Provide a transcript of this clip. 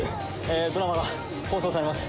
ドラマが放送されます。